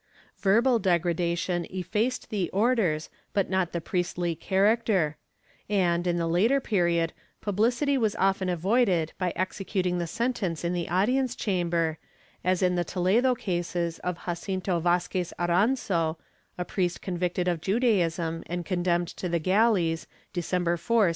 Verbal degradation effaced the orders, but not the priestly character and, in the later period, publicity was often avoided by executing the sentence in the audience chamber, as in the Toledo cases of Jacinto Vasquoz Aranso, a priest convicted of Judaism and condemned to the galleys, December 4, 1688, and • Llorente, Hist.